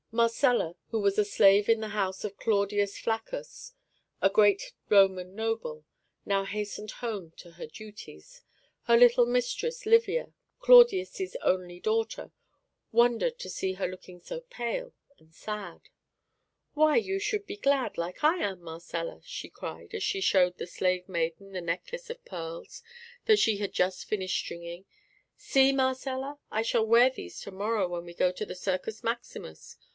Marcella, who was a slave in the house of Claudius Flaccus, a great Roman noble, now hastened home to her duties. Her little mistress Livia, Claudius' only daughter, wondered to see her looking so pale and sad. "Why, you should be glad like I am, Marcella," she cried, as she showed the slave maiden the necklace of pearls that she had just finished stringing. "See, Marcella! I shall wear these to morrow when we go to the Circus Maximus.